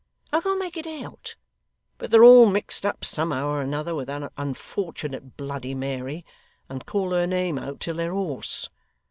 I can't make it out, but they're all mixed up somehow or another with that unfort'nate Bloody Mary, and call her name out till they're hoarse.